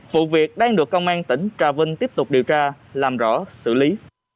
vụ việc đang được công an tỉnh trà vinh tiếp tục điều tra làm rõ xử lý